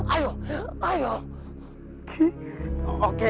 apa keinginan kamu